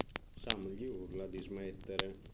Sam gli urla di smettere.